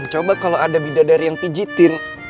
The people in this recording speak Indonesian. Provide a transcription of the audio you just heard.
coba kalau ada bidadari yang pijitin